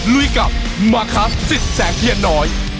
ลุยกับมาครับสิทธิ์แสงเทียนน้อย